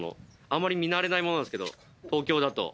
あまり見慣れないものなんですけど東京だと。